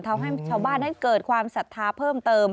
ทำให้ชาวบ้านนั้นเกิดความศรัทธาเพิ่มเติม